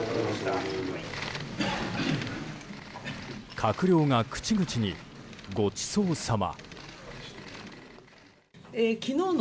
閣僚が口々に、ごちそうさま。